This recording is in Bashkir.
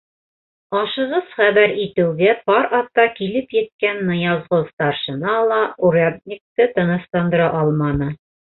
Ашығыс хәбәр итеүгә пар атта килеп еткән Ныязғол старшина ла урядникты тынысландыра алманы.